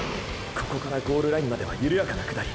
ここからゴールラインまでは緩やかな下り。